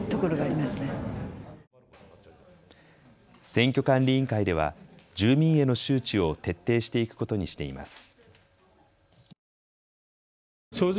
選挙管理委員会では住民への周知を徹底していくことにしています。